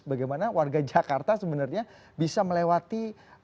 bagaimana warga jakarta sebenarnya bisa melewati